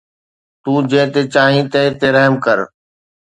تون جنهن تي چاهي تنهن تي رحم ڪر